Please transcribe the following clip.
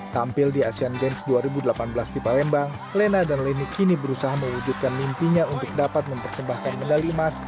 tampil di asean games dua ribu delapan belas di palembang lena dan leni kini berusaha mewujudkan mimpinya untuk dapat mempersembahkan medali emas